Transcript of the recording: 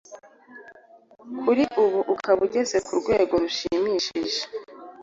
kuri ubu ukaba ugeze ku rwego rushimishije.